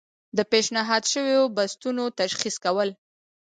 د پیشنهاد شویو بستونو تشخیص کول.